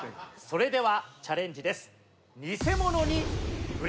それではチャレンジです。